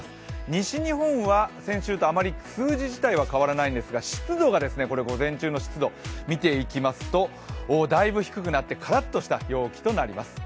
西日本は先週とあまり数字自体は変わらないんですが湿度が、これ午前中の湿度を見ていきますと、だいぶからっとした陽気となります。